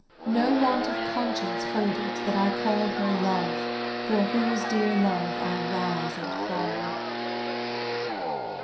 No want of conscience hold it that I call Her 'love,' for whose dear love I rise and fall.